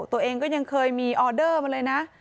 ตัวเองก็ยังเคยมีออเดอร์มาเลยนะ